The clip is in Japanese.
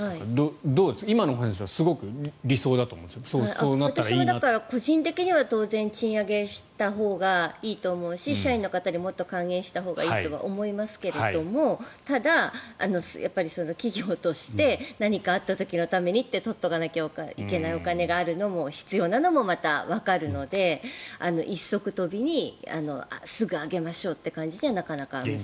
今のお話は私も個人的には当然賃上げしたほうがいいと思うし社員の方にもっと還元したほうがいいと思いますがただ、企業として何かあった時のためと取っておかないといけないお金が必要なのもまたわかるので一足飛びにすぐ上げましょうという感じは難しいかなと。